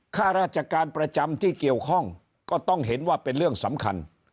ข้าราชการประจำที่เกี่ยวข้องก็ต้องเห็นว่าเป็นเรื่องสำคัญ